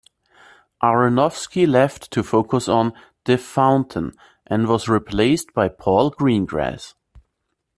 Aronofsky left to focus on "The Fountain" and was replaced by Paul Greengrass.